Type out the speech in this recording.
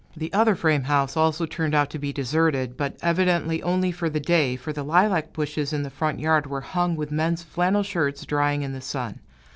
The other frame house also turned out to be deserted, but evidently only for the day, for the lilac bushes in the front yard were hung with men's flannel shirts drying in the sun.